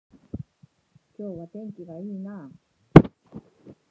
今日は天気が良いなあ